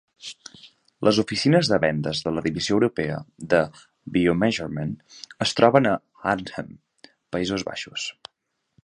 Les oficines de vendes de la divisió europea de BioMeasurement es troben a Arnhem, Països Baixos.